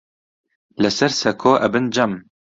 لەسەر سەکۆ ئەبن جەم